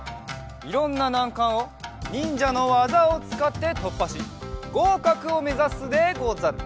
いろんななんかんをにんじゃのわざをつかってとっぱしごうかくをめざすでござる。